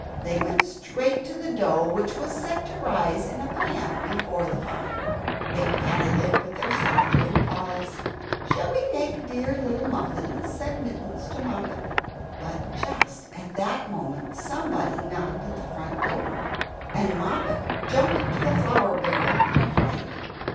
They went straight to the dough which was set to rise in a pan before the fire. They patted it with their little soft paws "Shall we make dear little muffins?" said Mittens to Moppet. But just at that moment somebody knocked at the front door, and Moppet jumped into the flour barrel in a fright.